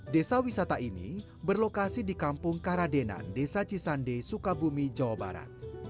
desa wisata ini berlokasi di kampung karadenan desa cisande sukabumi jawa barat